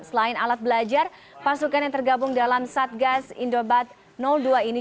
selain alat belajar pasukan yang tergabung dalam satgas indobat dua ini